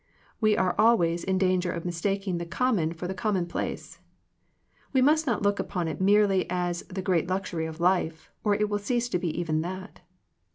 We are always in danger of mistaking the common for the commonplace. We must not look upon it merely as the great luxury of life, or it will cease to be even that.